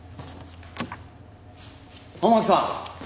天樹さん